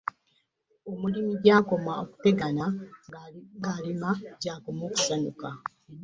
Omulimi gyakoma okutegana ng'alima gyakoma okusanyuka .